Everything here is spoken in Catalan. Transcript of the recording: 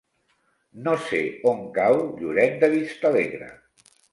No sé on cau Lloret de Vistalegre.